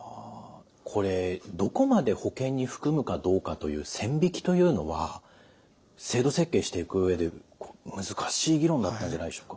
これどこまで保険に含むかどうかという線引きというのは制度設計していく上で難しい議論だったんじゃないでしょうか。